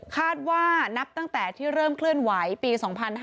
นับตั้งแต่ที่เริ่มเคลื่อนไหวปี๒๕๕๙